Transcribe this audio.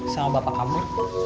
sama bapak kamu